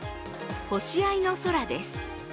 「星合いの空」です。